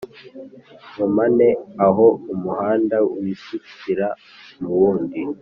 InkomaneAho umuhanda wisukira mu wundi